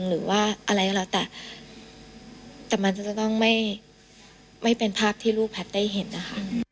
หรือว่าอะไรก็แล้วแต่แต่มันจะต้องไม่เป็นภาพที่ลูกแพทย์ได้เห็นนะคะ